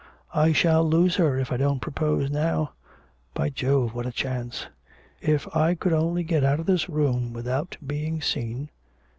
I shall lose her if I don't propose now. By Jove! What a chance! If I could only get out of this room without being seen!